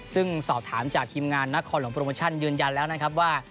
ซึ่งสอบถามจากทีมงานนครหลวงโปรโมชั่นยืนยันแล้วนะครับว่า